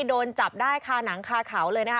โดนจับได้คาหนังคาเขาเลยนะคะ